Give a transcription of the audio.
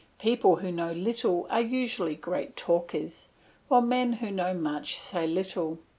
People who know little are usually great talkers, while men who know much say little.